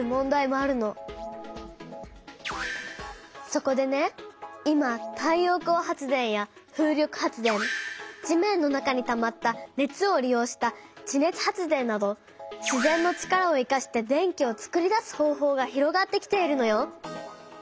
そこでね今太陽光発電や風力発電地面の中にたまった熱を利用した地熱発電などしぜんの力を生かして電気をつくり出す方法が広がってきているのよ。